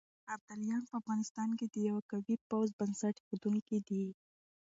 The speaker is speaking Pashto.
ابداليان په افغانستان کې د يوه قوي پوځ بنسټ اېښودونکي دي.